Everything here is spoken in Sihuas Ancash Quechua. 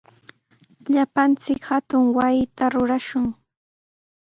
Llapallanchik hatun wasi rurashun.